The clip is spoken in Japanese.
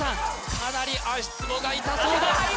かなり足つぼが痛そうだ